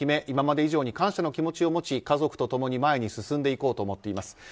今まで以上に感謝の気持ちを持ち家族と共に前に進んでいこうと思っています。